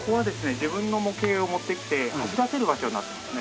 自分の模型を持ってきて走らせる場所になってますね。